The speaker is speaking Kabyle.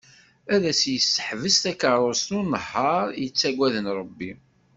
Ad as-d-yesseḥbes takarrust s unehhar i yettagaden Rebbi.